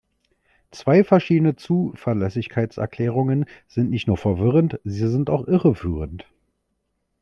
Zwei verschiedene Zuverlässigkeitserklärungen sind nicht nur verwirrend, sie sind irreführend.